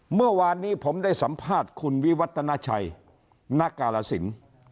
เมื่อวานนี้ผมได้สัมภาษณ์คุณวิวัฒนาชัยณกาลสิน